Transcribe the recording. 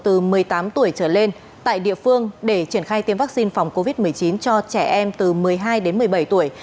từ một mươi tám tuổi trở lên tại địa phương để triển khai tiêm vaccine phòng covid một mươi chín cho trẻ em từ một mươi hai đến một mươi bảy tuổi